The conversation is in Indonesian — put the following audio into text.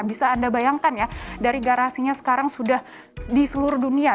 bisa anda bayangkan ya dari garasinya sekarang sudah di seluruh dunia